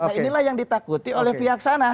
nah inilah yang ditakuti oleh pihak sana